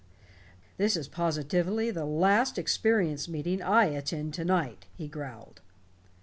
"This is positively the last experience meeting I attend to night," he growled.